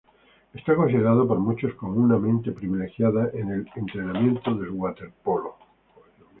Es considerado por muchos como una mente privilegiada en el entrenamiento del waterpolo.